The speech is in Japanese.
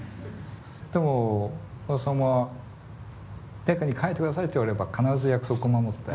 でも小田さんは誰かに書いてくださいって言われれば必ず約束を守って。